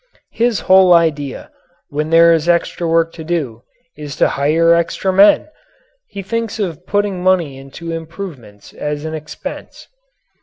His whole idea, when there is extra work to do, is to hire extra men. He thinks of putting money into improvements as an expense.